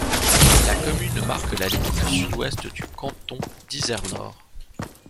La commune marque la limite sud-ouest du canton d'Izernore.